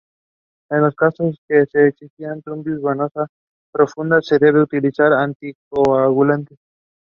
Lipkin was born in Detroit.